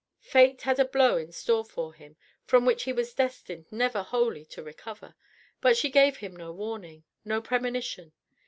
Fate had a blow in store for him, from which he was destined never wholly to recover, but she gave him no warning, no premonition.